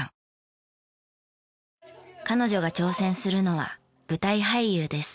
彼女が挑戦するのは舞台俳優です。